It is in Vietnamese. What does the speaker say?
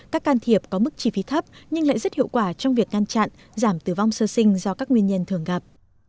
các can thiệp có mức chi phí thấp nhưng lại rất hiệu quả trong việc ngăn chặn giảm tử vong sơ sinh do các nguyên nhân thường gặp